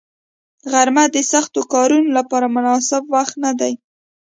غرمه د سختو کارونو لپاره مناسب وخت نه دی